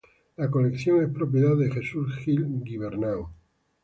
La colección es propiedad de Jesús Gil-Gibernau.